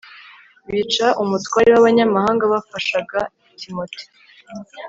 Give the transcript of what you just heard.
bica umutware w'abanyamahanga bafashaga timote